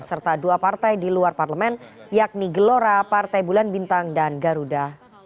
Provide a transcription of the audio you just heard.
serta dua partai di luar parlemen yakni gelora partai bulan bintang dan garuda